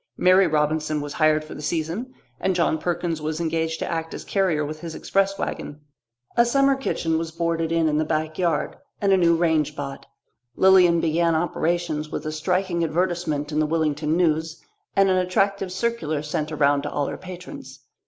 Mary Robinson was hired for the season, and John Perkins was engaged to act as carrier with his express wagon. A summer kitchen was boarded in in the backyard, and a new range bought; Lilian began operations with a striking advertisement in the Willington News and an attractive circular sent around to all her patrons.